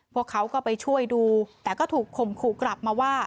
พวกเขาก็ไปช่วยดูแต่ก็ถูกข่มขู่กลับมาว่า